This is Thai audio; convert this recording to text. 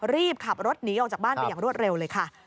รีบขับรถหนีออกจากบ้านไปอย่างรวดเร็วเลยค่ะ